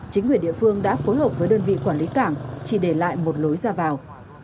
chính quyền địa phương đã phối hợp với đơn vị quản lý cảng chỉ để lại một lối ra vào